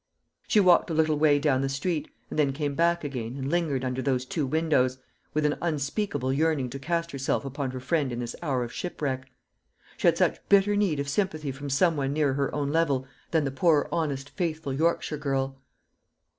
She walked a little way down the street, and then came back again and lingered under those two windows, with an unspeakable yearning to cast herself upon her friend in this hour of shipwreck. She had such bitter need of sympathy from some one nearer her own level than the poor honest faithful Yorkshire girl.